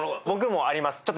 僕もあります